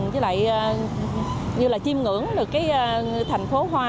chứ lại như là chim ngưỡng được cái thành phố hoa